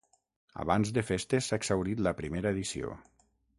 Abans de festes s'ha exhaurit la primera edició.